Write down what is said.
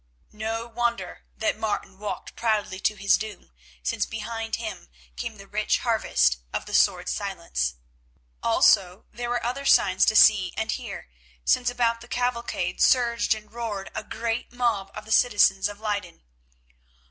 No wonder that Martin walked proudly to his doom, since behind him came the rich harvest of the sword Silence. Also, there were other signs to see and hear, since about the cavalcade surged and roared a great mob of the citizens of Leyden.